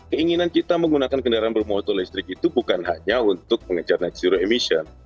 keinginan kita menggunakan kendaraan bermotor listrik itu bukan hanya untuk mengejar net zero emission